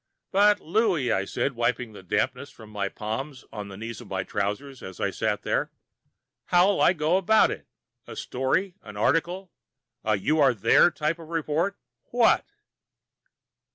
"But, Louie," I said, wiping the dampness from my palms on the knees of my trousers as I sat there, "how'll I go about it? A story? An article? A you are there type of report? What?"